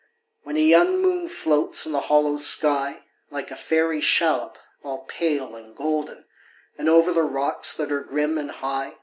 When a young moon floats in the hollow sky, Like a fairy shallop, all pale and golden. And over the rocks that are grim and high.